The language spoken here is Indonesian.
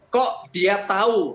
kok dia tahu